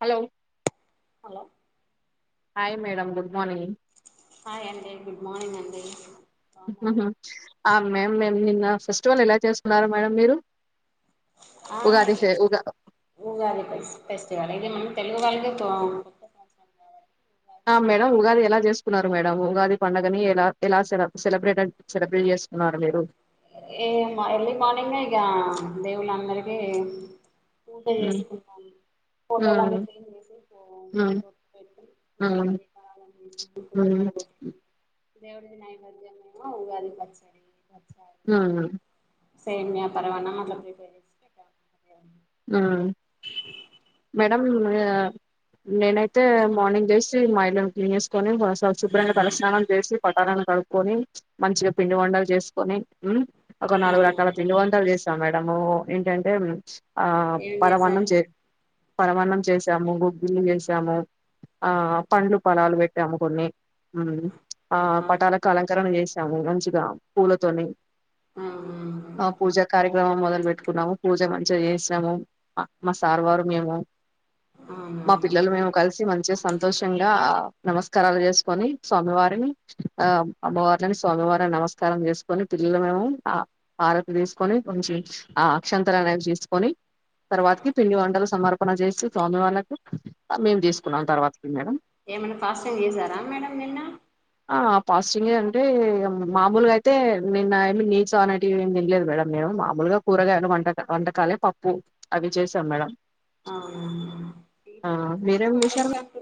Hello hello hi madam good morning hi అండి good morning అండి బాగున్నారా? అ మ్యామ్ మేం నిన్న ఫెస్టివల్ ఎలా చేస్తున్నారు మేడమ్ మీరు ఆ ఉగాది ఫె ఉగా ఉగాది ఫె ఫెస్టివల్ ఇది మనం తెలుగు వాళ్ళకి [unintelligible] ఆ మేడం ఉగాది ఎలా చేసుకున్నారు మేడం ఉగాది పండగని ఎలా ఎలా సెల సెలబ్రేట్ సెలబ్రేట్ చేసు చేసుకున్నారు మీరు ఏం ఎర్లీ మార్నింగ్ ఇగ దేవుళ్ళందరికీ పూజ హ్మ్. చేసుకున్నాను ఫోటోలన్నీ హ్మ్. క్లీన్ చేసి హ్మ్. బొట్టు పెట్టి [inaudible] హ్మ్. హ్మ్. దేవుడికి నైవేద్యమేమో ఉగాది పచ్చడి ఆహా సేమియా పరమాన్నం అట్ల ప్రిపేర్ చేసి పెట్టాం [inaudible] ఆ మేడమ్ ఆహ్ నేనైతే మార్నింగ్ లేచి మా ఇల్లు క్లీన్ చే కొని [unintelligible] శుభ్రంగా తలస్నానం చేసి పటలను కడుక్కొని మంచిగా పిండి వంటలు చేసుకొని ఉమ్ ఒక నాలుగు రకాల అవునండి పిండి వంటలు చేస్తాం మేడము ఏంటంటే ఆ ఏం పరమాన్నం చేశారు చే పరమాన్నం చేసాము [inaudible] చేసాము ఆ పండ్లు ఫలాలు పెట్టాము కొన్ని ఉమ్ ఆ పటలకు అలంకరణ చేసాము మంచిగా పూలతోని ఆ పూజా కార్యక్రమం మొదలు పెట్టుకున్నాము పూజ మంచిగాచేస్ న్నాము మా సార్ వారు మేము అవునా మా పిల్లలు మేము కలిసి మంచిగా సంతోషంగా నమస్కారాలు చేసుకొని స్వామివారిని ఆ అమ్మవార్లని స్వామివార నమస్కారం చేసుకొని పిల్లలు మేము ఆ ఆరతి తీసుకొని కొంచెం ఆ అక్షంతలు అనేవి తీసుకొని తర్వాతికి పిండి వంటలు సమర్పణ చేసి స్వామి వాళ్ళకి మేము తీసుకున్నాం తర్వాతకి మేడం ఏమన్నా ఫాస్టింగ్ చేసారా మేడం నిన్న ఆ ఫాస్టింగ్ అంటే మామూలుగా అయితే నిన్న ఏమి నీస్ అనేటివేమి తినలేదు మేడం మే ము మామూలుగా కూరగాయలు వంటకా వంటకాలే పప్పు అవి చేసాం మేడం ఆహ్ ఆ వీట్లా నీస్ కూడా మీరేం చేశారు వాడొచ్చు